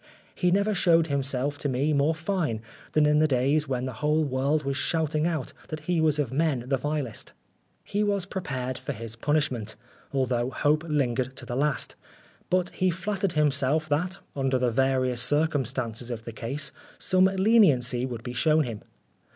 He never showed himself to me more fine than in the days when the whole world was shouting out that he was of men the vilest He was prepared for his punishment, although hope lingered to the last ; but he flattered himself that, under the various circumstances of the case, some leniency would be shown him.